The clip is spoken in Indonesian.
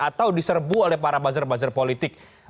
atau diserbu oleh para buzzer buzzer politik